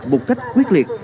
một cách quyết liệt